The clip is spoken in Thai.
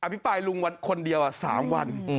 พิปรายลุงวันคนเดียว๓วัน